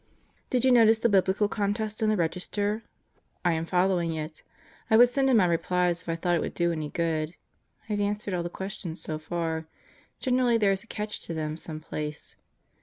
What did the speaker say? Did you notice the Biblical Contest in the Register? I am follow ing it. I would send in my replies if I thought it would do any good. I have answered all the questions so far. Generally there is a catch to them some place.